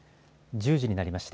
１０時になりました。